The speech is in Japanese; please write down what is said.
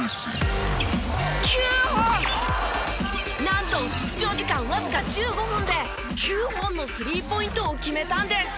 なんと出場時間わずか１５分で９本のスリーポイントを決めたんです！